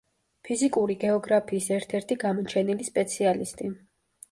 ფიზიკური გეოგრაფიის ერთ-ერთი გამოჩენილი სპეციალისტი.